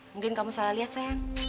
mungkin kamu salah liat sayang